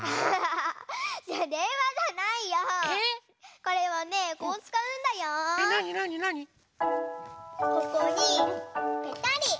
ここにぺたり。